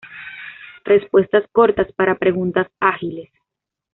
Respuestas cortas para preguntas ágiles.